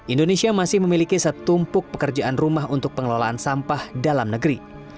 indonesia masih memiliki setumpuk pekerjaan rumah untuk pengelolaan sampah dalam negeri